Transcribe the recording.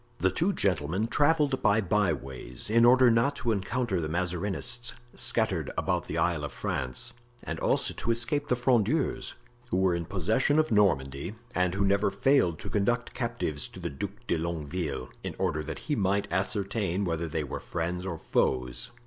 The two gentlemen traveled by byways in order not to encounter the Mazarinists scattered about the Isle of France, and also to escape the Frondeurs, who were in possession of Normandy and who never failed to conduct captives to the Duc de Longueville, in order that he might ascertain whether they were friends or foes.